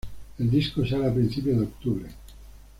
El disco sale a principios de octubre.